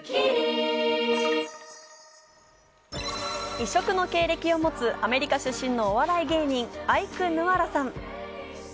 異色の経歴を持つアメリカ出身のお笑い芸人・アイクぬわらさん。